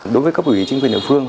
đối với cấp ủy chính quyền địa phương